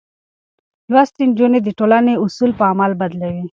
لوستې نجونې د ټولنې اصول په عمل بدلوي.